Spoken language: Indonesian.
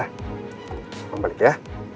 kapan balik ya